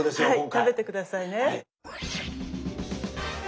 はい食べて下さいね。